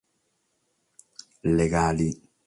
Legale